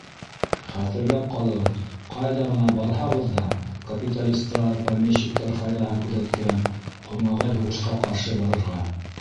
Хәтерләп ҡалығыҙ: ҡайҙа ғына барһағыҙ ҙа капиталистар, помещиктар файҙаһын күҙәткән ҡомағай һуғышҡа ҡаршы барырға!